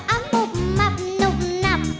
อับมุบมับนุบนับ